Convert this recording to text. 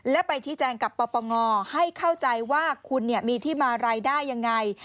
และไปชี้แจงกับปปงให้เข้าใจว่าคุณมีที่มารายได้ยังไง